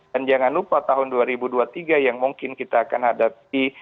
dan jangan lupa tahun dua ribu dua puluh tiga yang mungkin kita akan hadapi